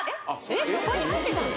そこに入ってたの？